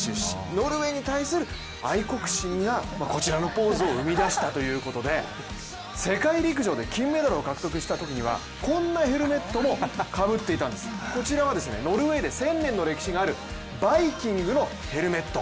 ノルウェーに対する愛国心がこちらのポーズを生み出したということで、世界陸上で金メダルを獲得したときには、こんなヘルメットもかぶっていたんです、こちらはノルウェーで１０００年の歴史があるバイキングのヘルメット。